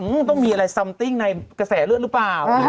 อื้มต้องมีอะไรในกระแสเลือดหรือเปล่า